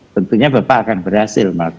tentunya bapak akan berhasil